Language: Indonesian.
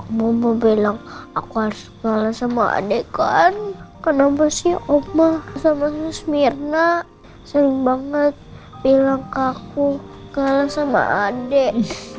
kau mau bilang aku harus kalah sama adek kan kenapa sih oma sama susmirna sering banget bilang ke aku kalah sama adek